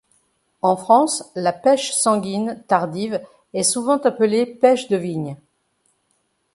En France, la pêche sanguine tardive est souvent appelée pêche de vigne.